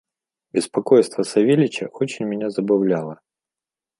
Беспокойство Савельича очень меня забавляло.